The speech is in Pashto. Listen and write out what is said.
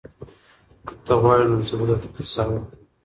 که ته غواړې نو زه به درته کیسه وکړم.